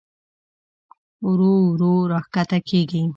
ورو ورو راښکته کېږي.